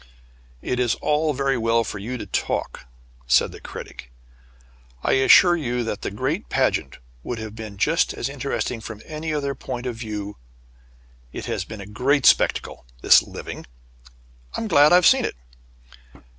"It is all very well for you to talk," said the Critic. "I assure you that the great pageant would have been just as interesting from any other point of view. It has been a great spectacle, this living. I'm glad I've seen it."